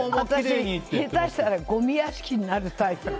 私、下手したらごみ屋敷になるタイプ。